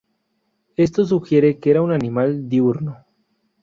Esto sugiere que era un animal diurno.